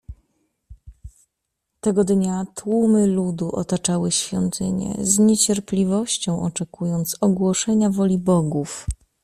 "Tego dnia tłumy ludu otaczały świątynię, z niecierpliwością oczekując ogłoszenia woli bogów."